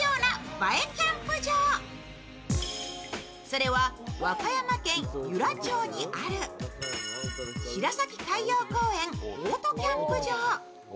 それは、和歌山県由良町にある白崎海洋公園オートキャンプ場。